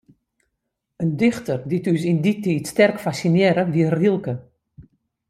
In dichter dy't ús yn dy tiid sterk fassinearre, wie Rilke.